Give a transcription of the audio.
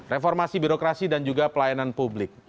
reformasi birokrasi dan juga pelayanan publik